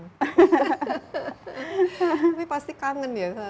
tapi pasti kangen ya